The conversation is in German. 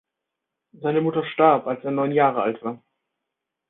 Seine Mutter starb, als er neun Jahre alt war.